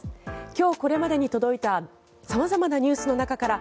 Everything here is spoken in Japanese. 今日これまでに届いた様々なニュースの中から